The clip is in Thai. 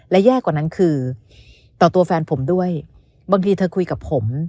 และแย่กว่านั้นคือต่อตัวแฟนผมด้วยบางทีเธอคุยกับผม